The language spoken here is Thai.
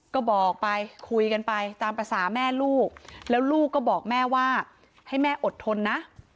ก็บอกไปคุยกันไปตามภาษาแม่ลูกแล้วลูกก็บอกแม่ว่าให้แม่อดทนนะ